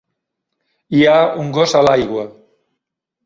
Hi ha un gos a l'aigua.